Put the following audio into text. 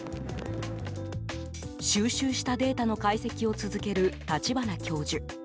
収集したデータの解析を続ける立花教授。